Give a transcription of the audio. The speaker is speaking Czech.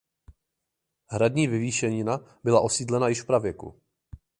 Hradní vyvýšenina byla osídlena již v pravěku.